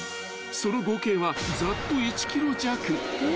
［その合計はざっと１ｋｇ弱］